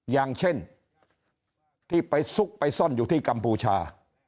อย่างเช่นที่ไปซุกไปซ่อนอยู่ที่กัมพูชา